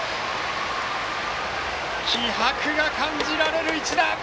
気迫が感じられる一打。